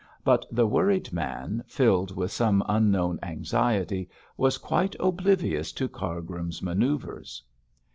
But the worried man, filled with some unknown anxiety, was quite oblivious to Cargrim's manoeuvres.